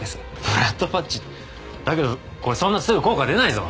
ブラッドパッチだけどこれそんなすぐ効果出ないぞ。